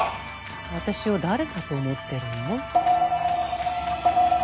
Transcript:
私を誰だと思ってるの？